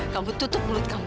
kamu tutup mulut kamu